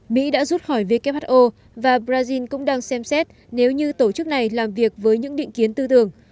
mỹ đã rút khỏi who và brazil cũng đang xem xét nếu như tổ chức này làm việc với những định kiến tư tưởng